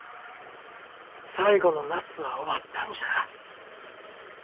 最後の夏は終わったんじゃ。